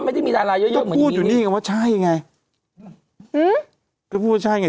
ไม่ได้มีดาราเยอะเยอะต้องพูดอยู่นี่กันว่าใช่ไงอืมก็พูดว่าใช่ไง